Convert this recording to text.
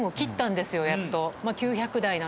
やっと。